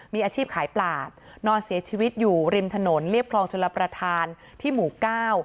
มีอาชีพขายปลานอนเสียชีวิตอยู่ริมถนนเรียบคลองชลประธานที่หมู่เก้า